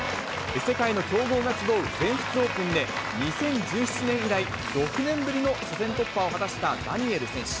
世界の強豪が集う全仏オープンで、２０１７年以来、６年ぶりの初戦突破を果たしたダニエル選手。